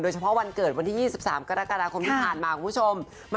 เฉพาะวันเกิดวันที่๒๓กรกฎาคมที่ผ่านมาคุณผู้ชม